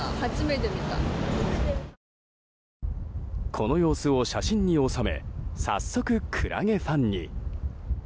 この様子を写真に収め早速クラゲファンに。